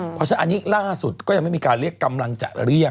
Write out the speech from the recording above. เพราะฉะนั้นอันนี้ล่าสุดก็ยังไม่มีการเรียกกำลังจะเรียก